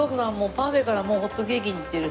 パフェからホットケーキにいってる。